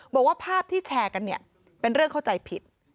บอกว่าภาพที่แชร์กันเนี่ยเป็นเรื่องเข้าใจผิด